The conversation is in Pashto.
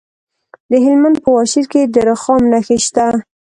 د هلمند په واشیر کې د رخام نښې شته.